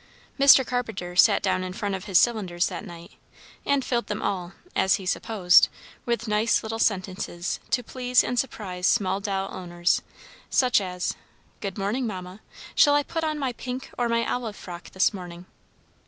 Mr. Carpenter sat down in front of his cylinders that night, and filled them all, as he supposed, with nice little sentences to please and surprise small doll owners, such as "Good morning, Mamma. Shall I put on my pink or my olive frock this morning?"